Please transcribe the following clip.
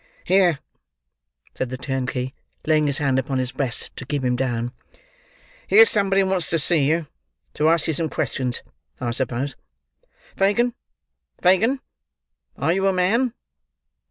"Here," said the turnkey, laying his hand upon his breast to keep him down. "Here's somebody wants to see you, to ask you some questions, I suppose. Fagin, Fagin! Are you a man?"